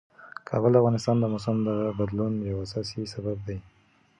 کابل د افغانستان د موسم د بدلون یو اساسي سبب دی.